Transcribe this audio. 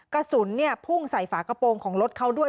กระสุนพุ่งใส่ฝากระโปรงของรถเขาด้วย